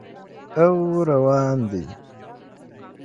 او روان دي